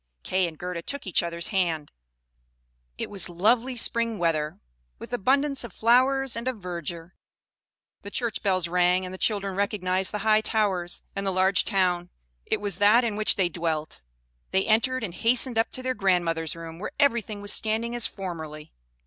Kay and Gerda took each other's hand: it was lovely spring weather, with abundance of flowers and of verdure. The church bells rang, and the children recognised the high towers, and the large town; it was that in which they dwelt. They entered and hastened up to their grandmother's room, where everything was standing as formerly.